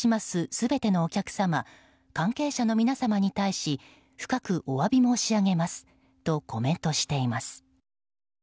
全てのお客様関係者の皆様に対し深くお詫び申し上げますとコメントしています。